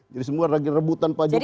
jadi semua lagi rebutan pak jokowi